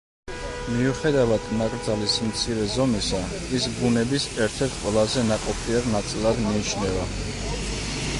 მიუხედავად ნაკრძალის მცირე ზომისა, ის ბუნების ერთ-ერთ ყველაზე ნაყოფიერ ნაწილად მიიჩნევა.